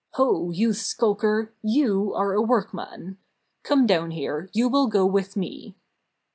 "Ho! you skulker, yon are a workman! Come down here, you will go with me!"